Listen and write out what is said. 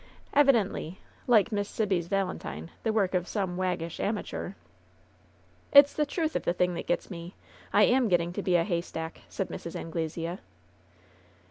Evidently, like Miss Sibby's valentine, the work of some waggish amateur. "It's the truth of the thing that gets me. I am get ting to be a haystack," said Mrs. Anglesea.